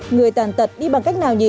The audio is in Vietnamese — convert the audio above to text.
người tàn tật đi bằng cách nào nhỉ